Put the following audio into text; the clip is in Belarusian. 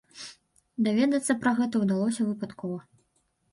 Даведацца пра гэта ўдалося выпадкова.